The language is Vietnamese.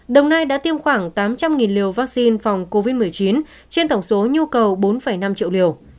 đồng nai đã tiêm khoảng tám trăm linh liều vaccine phòng covid một mươi chín trên tổng số nhu cầu bốn năm triệu liều